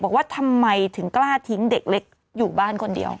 บอกว่าทำไมถึงกล้าทิ้งเด็กเล็กอยู่บ้านคนเดียว